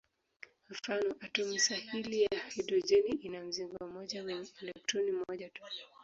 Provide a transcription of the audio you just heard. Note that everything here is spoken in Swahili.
Mfano: atomu sahili ya hidrojeni ina mzingo mmoja wenye elektroni moja tu.